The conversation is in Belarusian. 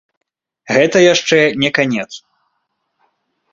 Гэта яшчэ не канец.